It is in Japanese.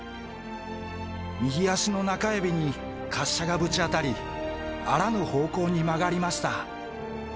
右足の中指に滑車がぶち当たり、あらぬ方向に曲がりました。